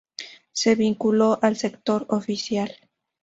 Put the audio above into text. Se vinculó al sector oficial.